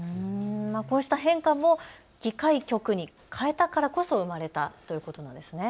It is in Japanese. こうした変化も議会局に変えたからこそ生まれたということなんですね。